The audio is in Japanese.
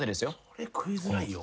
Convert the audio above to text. それ食いづらいよ。